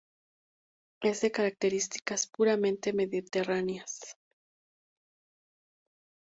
Es de características puramente mediterráneas.